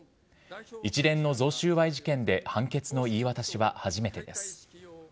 一連の贈収賄事件で判決の言い渡しは初めてです。